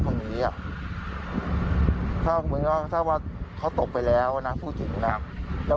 ทำไมเราก็คิดว่าทะเลาะกันแล้วครับ